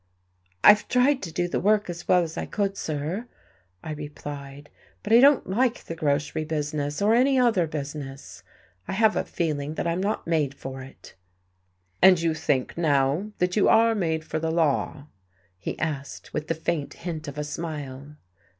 "I've tried to do the work as well as I could, sir," I replied. "But I don't like the grocery business, or any other business. I have a feeling that I'm not made for it." "And you think, now, that you are made for the law?" he asked, with the faint hint of a smile.